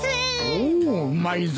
おおうまいぞ。